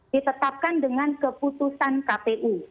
ditetapkan dengan keputusan kpu